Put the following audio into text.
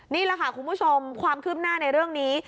นี่แหละค่ะคุณผู้ชมความคืบหน้าในเรื่องนี้